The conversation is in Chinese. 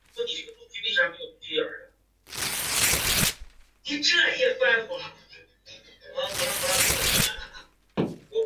殿上匾额都是乾隆帝御书。